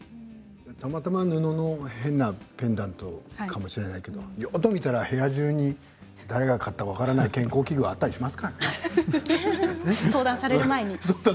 たまたま布の変なペンダントかもしれないけれどもよく見たら部屋中に誰が買ったか分からない健康器具があったりしますからね。